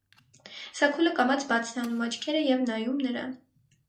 Սաքուլը կամաց բաց է անում աչքերը և նայում նրան: